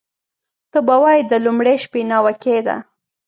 ته به وایې د لومړۍ شپې ناوکۍ ده